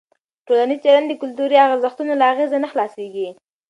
ټولنیز چلند د کلتوري ارزښتونو له اغېزه نه خلاصېږي.